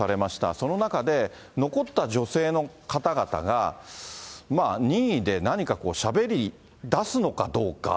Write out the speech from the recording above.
その中で、残った女性の方々が、任意で何かこう、しゃべりだすのかどうか。